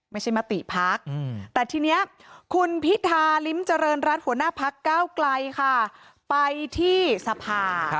มติพักแต่ทีนี้คุณพิธาลิ้มเจริญรัฐหัวหน้าพักเก้าไกลค่ะไปที่สภา